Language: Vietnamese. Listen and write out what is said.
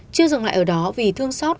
chưa dừng lại ở đó vì thương xót